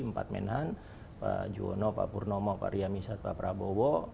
empat menhan pak juwono pak purnomo pak riami satwa prabowo